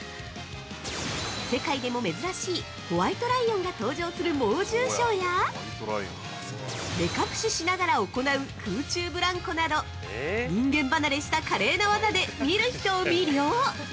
世界でも珍しいホワイトライオンが登場する猛獣ショーや、目隠ししながら行う空中ブランコなど、人間離れした華麗な技で見る人を魅了！